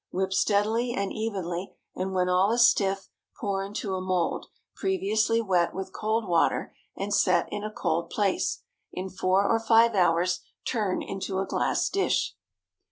Whip steadily and evenly, and when all is stiff, pour into a mould, previously wet with cold water, and set in a cold place. In four or five hours turn into a glass dish.